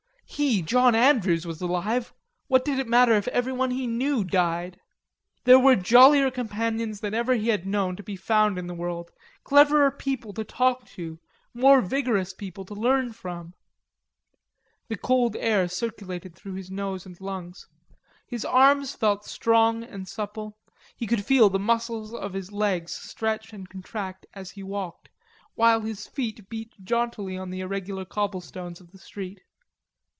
He, John Andrews, was alive; what did it matter if everyone he knew died? There were jollier companions than ever he had known, to be found in the world, cleverer people to talk to, more vigorous people to learn from. The cold air circulated through his nose and lungs; his arms felt strong and supple; he could feel the muscles of his legs stretch and contract as he walked, while his feet beat jauntily on the irregular cobblestones of the street.